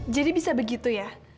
jadi bisa begitu ya